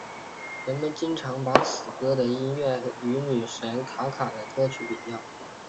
人们经常把此歌的音乐与女神卡卡的歌曲比较。